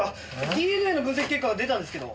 ＤＮＡの分析結果が出たんですけど。